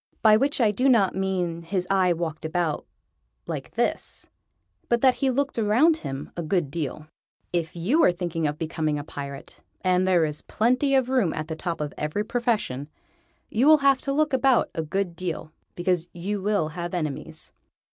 By which I do not mean his eye walked about like this, but that he looked around him a good deal. If you are thinking of becoming a Pirate and there is plenty of room at the top of every profession you will have to look about a good deal, because you will have enemies.